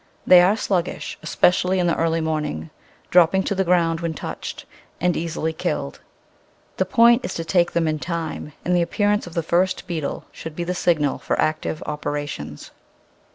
They are sluggish, especially in the early morning, dropping to the ground when touched, and easily killed. The point is to take them in time, and the appearance of the first beetle should be the signal for active operations.